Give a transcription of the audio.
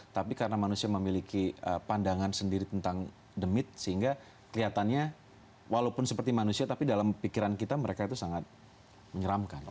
tapi karena manusia memiliki pandangan sendiri tentang the mit sehingga kelihatannya walaupun seperti manusia tapi dalam pikiran kita mereka itu sangat menyeramkan